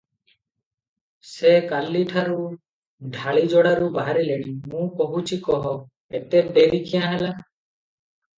ସେ କାଲିଠାରୁ ଡାଳିଯୋଡ଼ାରୁ ବାହାରିଲେଣି, ମୁଁ କହୁଛି କହ, ଏତେ ଡେରି କ୍ୟାଁ ହେଲା?